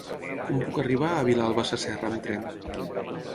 Com puc arribar a Vilalba Sasserra amb tren?